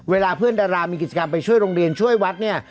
เวลาเพื่อนดารามีกิจกรรมไปช่วยโรงเรียนช่วยวัดเนี่ย